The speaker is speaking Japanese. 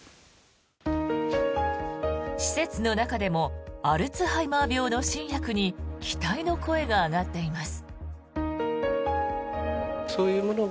施設の中でもアルツハイマー病の新薬に期待の声が上がっています。